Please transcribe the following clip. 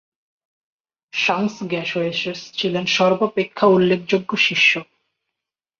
সাংস-র্গ্যাস-য়ে-শেস ছিলেন সর্বাপেক্ষা উল্লেখযোগ্য শিষ্য।